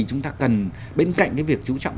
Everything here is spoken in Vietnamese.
chúng ta cần bên cạnh cái việc chú trọng